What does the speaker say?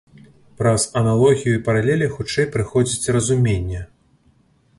Праз аналогію і паралелі хутчэй прыходзіць разуменне.